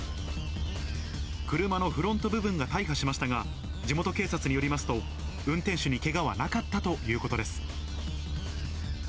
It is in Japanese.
車のフロント部分が大破しましたが、地元警察によりますと、運転手にけがはなかったということです。